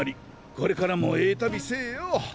これからもええ旅せえよ。